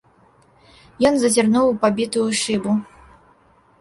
Ён зазірнуў у пабітую шыбу.